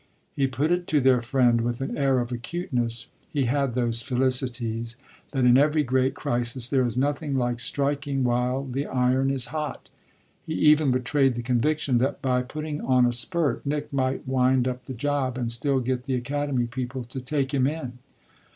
He put it to their friend with an air of acuteness he had those felicities that in every great crisis there is nothing like striking while the iron is hot. He even betrayed the conviction that by putting on a spurt Nick might wind up the job and still get the Academy people to take him in.